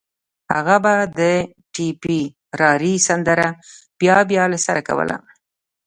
هغه به د ټيپيراري سندره بيا بيا له سره کوله